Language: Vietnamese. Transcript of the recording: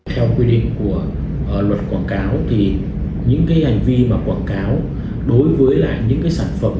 theo quy định của luật quảng cáo thì những hành vi quảng cáo đối với những sản phẩm